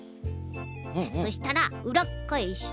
そしたらうらっかえして。